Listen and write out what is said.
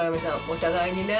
お互いにね